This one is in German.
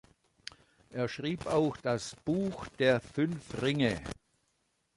Er schrieb auch "Das Buch der fünf Ringe".